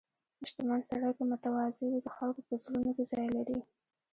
• شتمن سړی که متواضع وي، د خلکو په زړونو کې ځای لري.